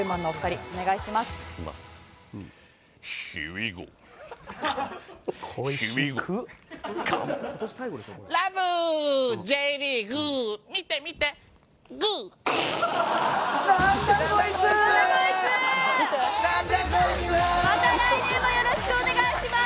また来年もよろしくお願いします。